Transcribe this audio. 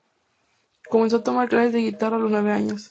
Comenzó a tomar clases de guitarra a los nueve años.